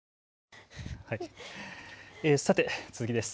さて次です。